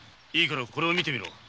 いいからこれを見てみろ。